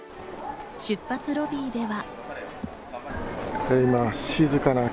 出発ロビーでは。